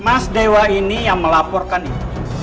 mas dewa ini yang melaporkan itu